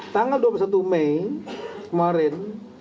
tanggal dua puluh satu mei kemarin